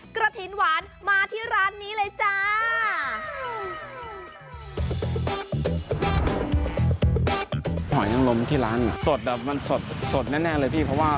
เค้าการารันตีว่า